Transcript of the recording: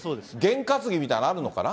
験担ぎみたいなのあるのかな。